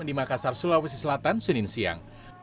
di makassar sulawesi selatan